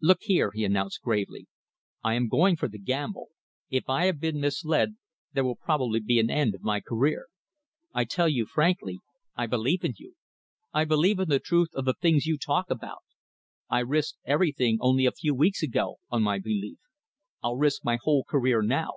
"Look here," he announced gravely, "I am going for the gamble. If I have been misled, there will probably be an end of my career. I tell you frankly, I believe in you. I believe in the truth of the things you talk about. I risked everything, only a few weeks ago, on my belief. I'll risk my whole career now.